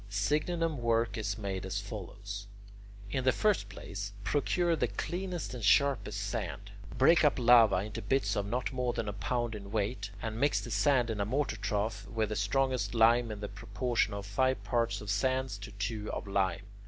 Signinum work is made as follows. In the first place, procure the cleanest and sharpest sand, break up lava into bits of not more than a pound in weight, and mix the sand in a mortar trough with the strongest lime in the proportion of five parts of sand to two of lime.